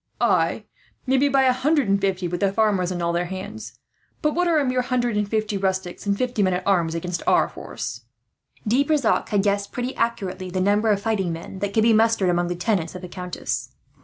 "Ay, maybe by a hundred and fifty, with the farmers and all their hands; but what are a hundred and fifty rustics and fifty men at arms, against our force?" De Brissac had guessed pretty accurately the number of fighting men that could be mustered among the tenants of the countess.